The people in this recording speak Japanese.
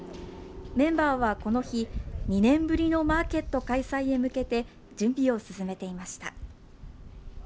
メンバーはこの日、２年ぶりのマーケット開催へ向けて、準備を進めていました。